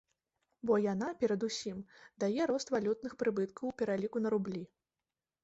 Бо яна, перад усім, дае рост валютных прыбыткаў у пераліку на рублі.